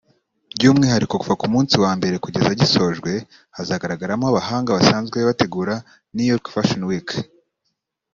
by’umwihariko kuva ku munsi wa mbere kugeza gisojwe hazagaragaramo abahanga basanzwe bategura New York Fashion Weeek